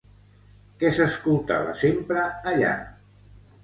Què s'escoltava sempre allà?